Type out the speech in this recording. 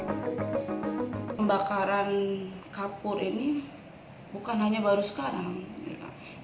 pembakaran kapur ini bukan hanya baru sekarang